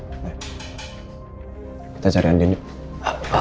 kita cari andi aja